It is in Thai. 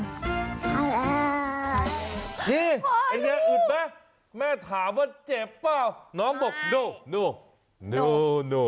นี่ไอ้เนี้ยอึดมั้ยแม่ถามว่าเจ็บเปล่าน้องบอกโน่